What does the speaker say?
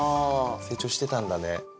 成長してたんだね。